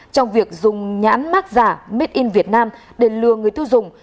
trong việc dùng nhãn mát giả made in vietnam để lừa người tiêu dùng